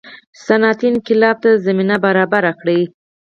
صنعتي انقلاب ته زمینه برابره کړي.